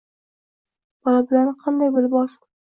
bola bilan qanday qilib bilsin.